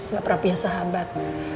gak perapian sahabat